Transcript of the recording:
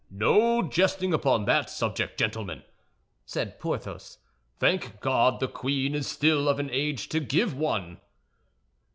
"No jesting upon that subject, gentlemen," said Porthos; "thank God the queen is still of an age to give one!"